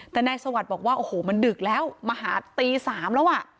แต่นายสวัสดิ์บอกว่าโอ้โหมันดึกแล้วมาหาตี๓แล้วอ่ะ